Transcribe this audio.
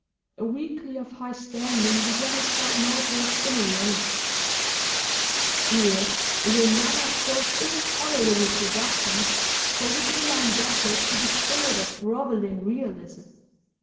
A weekly of high standing began its short notice in a rage: 'Here is another of those intolerable productions for which we are indebted to the spirit of grovelling realism.